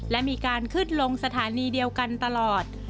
และมีการขึ้นลงสถานีเดียวกันตลอด